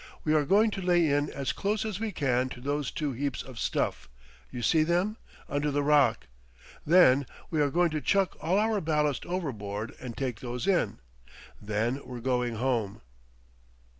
"We are going to lay in as close as we can to those two heaps of stuff—you see them?—under the rock. Then we are going to chuck all our ballast overboard and take those in. Then we're going home."